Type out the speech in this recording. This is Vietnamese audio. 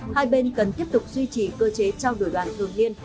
hai bên cần tiếp tục duy trì cơ chế trao đổi đoàn thường niên